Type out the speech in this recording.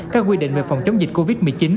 các quy định về phòng chống dịch covid một mươi chín